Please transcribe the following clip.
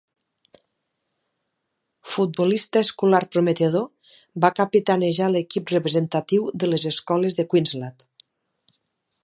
Futbolista escolar prometedor, va capitanejar l"equip representatiu de les escoles de Queenslad.